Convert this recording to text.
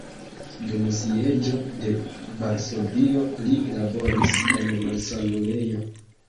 Dum sieĝo de Varsovio li laboris en malsanulejo.